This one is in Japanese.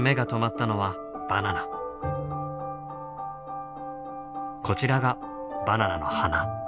こちらがバナナの花。